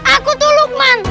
aku tuh lukman